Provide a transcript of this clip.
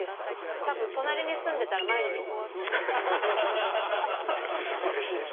たぶん隣に住んでたら毎日来ます。